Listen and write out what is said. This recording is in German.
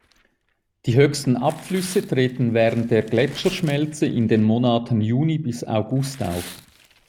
Die höchsten Abflüsse treten während der Gletscherschmelze in den Monaten Juni bis August auf.